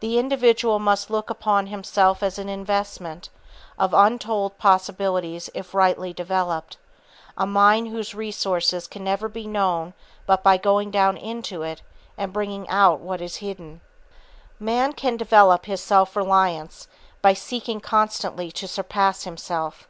The individual must look upon himself as an investment, of untold possibilities if rightly developed, a mine whose resources can never be known but by going down into it and bringing out what is hidden. Man can develop his self reliance by seeking constantly to surpass himself.